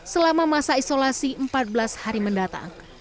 selama masa isolasi empat belas hari mendatang